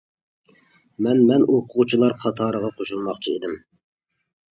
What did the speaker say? -مەن. مەن ئوقۇغۇچىلار قاتارىغا قوشۇلماقچى ئىدىم.